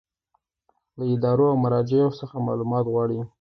له ادارو او مراجعو څخه معلومات غواړي.